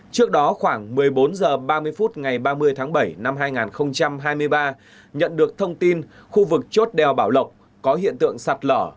trước đó khoảng một mươi bốn h ba mươi phút ngày ba mươi tháng bảy năm hai nghìn hai mươi ba nhận được thông tin khu vực chốt đèo bảo lộc có hiện tượng sạt lở